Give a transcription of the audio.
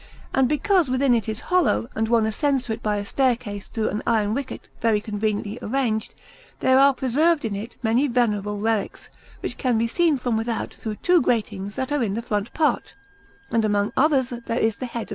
And because within it is hollow, and one ascends to it by a staircase through an iron wicket very conveniently arranged, there are preserved in it many venerable relics, which can be seen from without through two gratings that are in the front part; and among others there is the head of S.